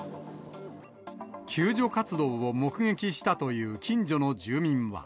救助活動を目撃したという近所の住民は。